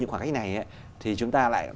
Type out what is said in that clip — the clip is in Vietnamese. những khoảng cách này thì chúng ta lại